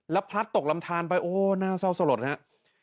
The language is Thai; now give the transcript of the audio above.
แล้วพลัดตกลำทานไปโอ้น่าเศร้าสลดครับ